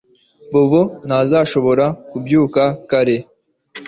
Bobo ntazashobora kubyuka kare